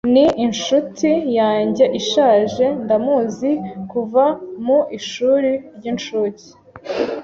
Ni inshuti yanjye ishaje. Ndamuzi kuva mu ishuri ry'incuke.